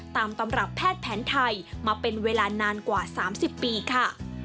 ตำรับแพทย์แผนไทยมาเป็นเวลานานกว่า๓๐ปีค่ะ